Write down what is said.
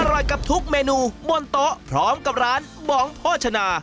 กับทุกเมนูบนโต๊ะพร้อมกับร้านบองโภชนา